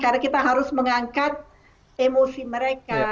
karena kita harus mengangkat emosi mereka